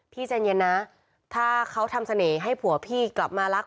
ใจเย็นนะถ้าเขาทำเสน่ห์ให้ผัวพี่กลับมารัก